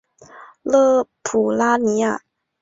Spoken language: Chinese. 勒普拉尼亚。